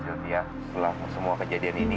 setelah semua kejadian ini